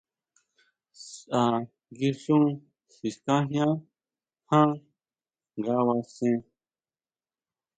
Saʼa nguixún sikajian ján ngabasen.